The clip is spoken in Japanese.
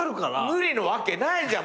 無理なわけないじゃん。